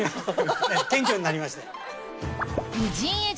謙虚になりまして。